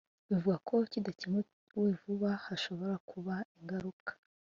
Ivuga ko kidacyemuwe vuba hashobora kuba ingaruka